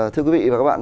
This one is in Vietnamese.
thưa quý vị và các bạn